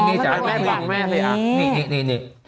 แม่อะไรอย่างนี่